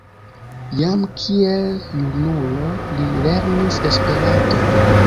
Jam kiel junulo li lernis Esperanton.